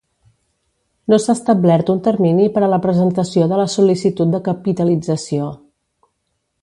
No s'ha establert un termini per a la presentació de la sol·licitud de capitalització.